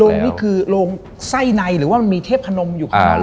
นี่คือโรงไส้ในหรือว่ามันมีเทพนมอยู่ข้างหลัง